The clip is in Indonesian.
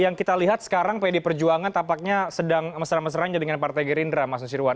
dan kita lihat sekarang pak yedi perjuangan tapaknya sedang mesra mesranya dengan partai gerindra mas dusirwan